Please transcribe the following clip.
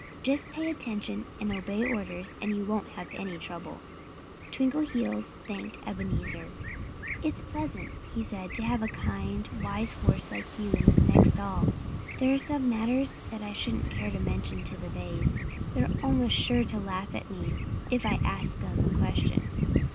Just pay attention and obey orders and you won't have any trouble." Twinkleheels thanked Ebenezer. "It's pleasant," he said, "to have a kind, wise horse like you in the next stall. There are some matters that I shouldn't care to mention to the bays. They're almost sure to laugh at me if I ask them a question."